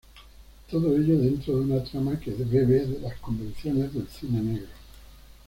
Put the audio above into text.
Todo ello dentro de una trama que bebe de las convenciones del cine negro.